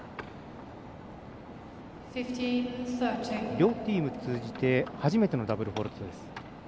両チーム通じて初めてのダブルフォールトです。